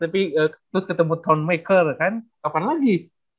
tapi terus ketemu thornmaker kan kapan lagi